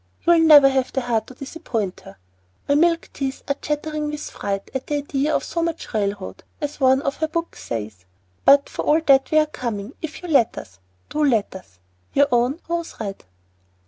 You'll never have the heart to disappoint her. My "milk teeth are chattering with fright" at the idea of so much railroad, as one of her books says, but for all that we are coming, if you let us. Do let us! YOUR OWN ROSE RED.